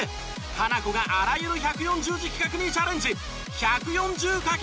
ハナコがあらゆる１４０字企画にチャレンジ。